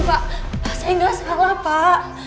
pak pak saya gak salah pak